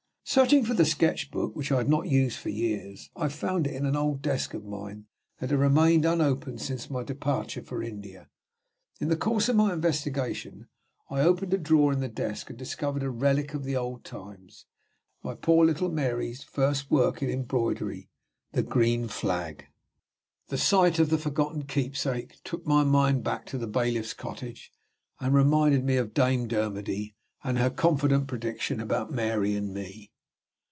Searching for the sketch book (which I had not used for years), I found it in an old desk of mine that had remained unopened since my departure for India. In the course of my investigation, I opened a drawer in the desk, and discovered a relic of the old times my poor little Mary's first work in embroidery, the green flag! The sight of the forgotten keepsake took my mind back to the bailiff's cottage, and reminded me of Dame Dermody, and her confident prediction about Mary and me.